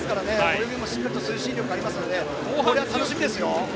泳ぎもしっかり推進力がありますので、楽しみですよ。